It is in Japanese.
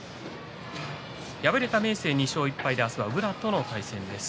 敗れた明生２勝１敗で明日は宇良との対戦です。